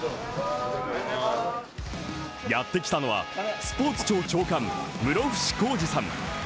やってきたのは、スポーツ庁長官、室伏広治さん。